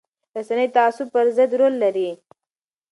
رسنۍ د تعصب پر ضد رول لري